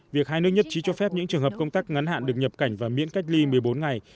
việc hai nước nhất trí cho phép những trường hợp công tác ngắn hạn được nhập cảnh và miễn cách ly một mươi bốn ngày